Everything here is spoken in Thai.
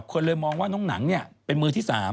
คนเลยมองว่าน้องหนังเนี่ยเป็นมือที่สาม